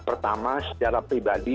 pertama secara pribadi